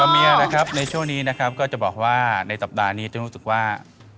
เมียนะครับในช่วงนี้นะครับก็จะบอกว่าในสัปดาห์นี้จะรู้สึกว่า